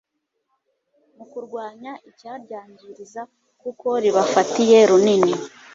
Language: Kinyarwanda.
mu kurwanya icyaryangiriza kuko ribafatiye runini.